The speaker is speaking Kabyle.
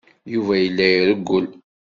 Yuba yella irewwel.